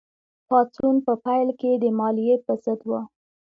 پاڅون په پیل کې د مالیې په ضد و.